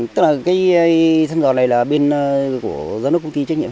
tức là cái thăm dò này là bên của giám đốc công ty trách nhiệm